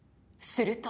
すると。